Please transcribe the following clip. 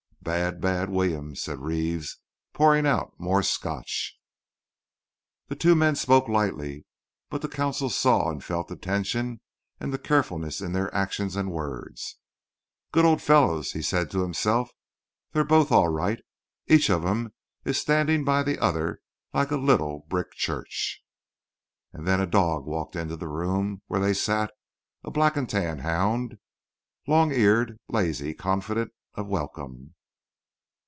"Bad, bad Williams," said Reeves, pouring out more Scotch. The two men spoke lightly, but the consul saw and felt the tension and the carefulness in their actions and words. "Good old fellows," he said to himself; "they're both all right. Each of 'em is standing by the other like a little brick church." And then a dog walked into the room where they sat—a black and tan hound, long eared, lazy, confident of welcome.